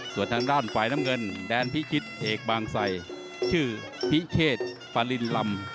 ส่วนทางด้านฝ่ายน้ำเงินแดนพิชิตเอกบางใส่ชื่อพิเชษฟารินลำ